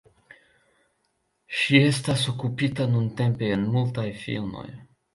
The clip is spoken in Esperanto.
Ŝi estas okupita nuntempe en multaj filmoj.